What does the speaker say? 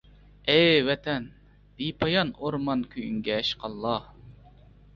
ئەي ۋەتەن، بىپايان ئورمان كۈيۈڭگە، ھەشقاللا!